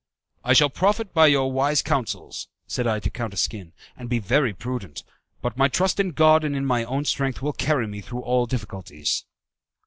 "I shall profit by your wise counsels," said I to Count Asquin, "and be very prudent, but my trust in God and in my own strength will carry me through all difficulties."